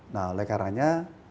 nah oleh karanya